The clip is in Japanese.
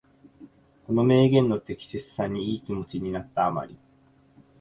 この名言の適切さにいい気持ちになった余り、